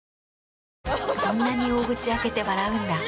そんなに大口開けて笑うんだ。